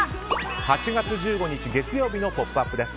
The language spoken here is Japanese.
８月１５日、月曜日の「ポップＵＰ！」です。